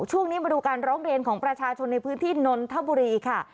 ช่วงนี้มาดูการร้องเรียนของประชาชนในพื้นที่นนทบุรีค่ะ